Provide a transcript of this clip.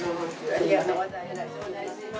ありがとうございます。